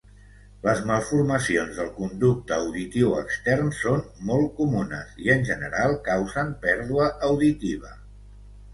Les malformacions del conducte auditiu extern són molt comunes, i en general causen pèrdua auditiva.